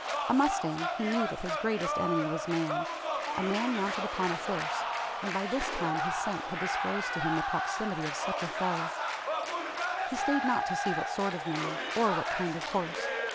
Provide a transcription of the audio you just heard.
A mustang, he knew that his greatest enemy was man a man mounted upon a horse; and by this time his scent had disclosed to him the proximity of such a foe. He stayed not to see what sort of man, or what kind of horse.